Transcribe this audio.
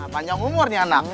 panjang umurnya anak